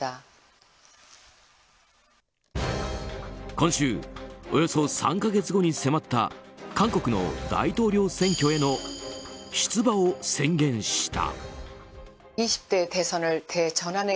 今週、およそ３か月後に迫った韓国の大統領選挙への出馬を宣言した。